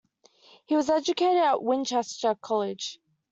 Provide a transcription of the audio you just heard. He was educated at Winchester College.